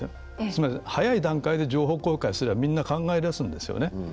つまり早い段階で情報公開すればみんな考え出すんですよね。